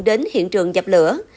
đến hiện trường dập lửa